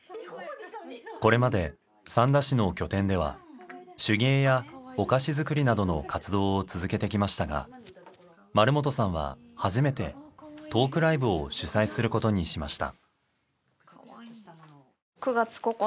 これまで三田市の拠点では手芸やお菓子作りなどの活動を続けてきましたが丸本さんは初めてトークライブを主催することにしました。